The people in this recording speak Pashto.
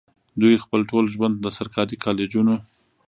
دوي خپل ټول ژوند د سرکاري کالجونو